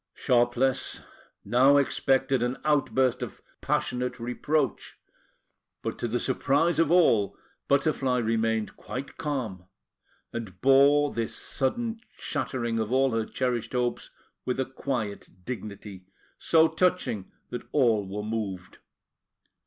Sharpless now expected an outburst of passionate reproach; but to the surprise of all, Butterfly remained quite calm, and bore this sudden shattering of all her cherished hopes with a quiet dignity, so touching that all were moved.